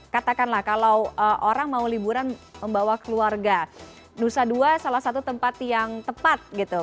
katakanlah kalau orang mau liburan membawa keluarga nusa dua salah satu tempat yang tepat gitu